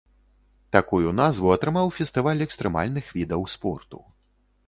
Такую назву атрымаў фестываль экстрэмальных відаў спорту.